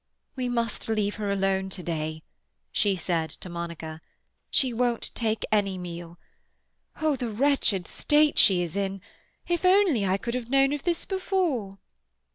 "We must leave her alone to day," she said to Monica. "She won't take any meal. Oh, the wretched state she is in! If only I could have known of this before!"